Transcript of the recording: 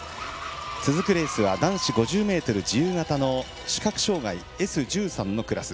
続くレースは男子５０ｍ自由形の視覚障がいＳ１３のクラス。